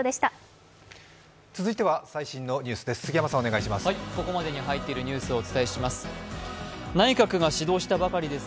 続いては最新のニュースです。